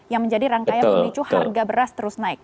yang menjadi rangkaian memicu harga beras terus naik